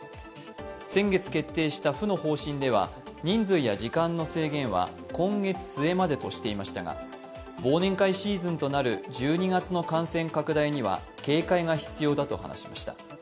先月決定した府の方針では人数や時間の制限は今月末までとしていましたが、忘年会シーズンとなる１２月の感染拡大には警戒が必要だと話しました。